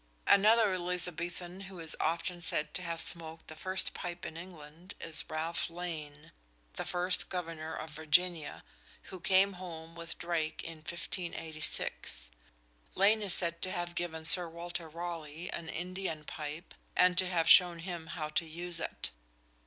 Another Elizabethan who is often said to have smoked the first pipe in England is Ralph Lane, the first Governor of Virginia, who came home with Drake in 1586. Lane is said to have given Sir Walter Raleigh an Indian pipe and to have shown him how to use it.